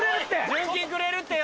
純金くれるってよ！